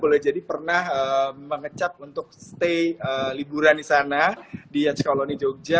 boleh jadi pernah mengecap untuk stay liburan di sana di cikoloni jogja